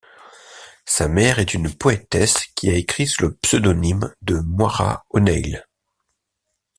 Sa mère est une poétesse qui a écrit sous le pseudonyme de Moira O'Neill.